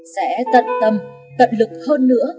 sẽ tận tâm tận lực hơn nữa